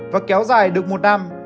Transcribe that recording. và kéo dài được một năm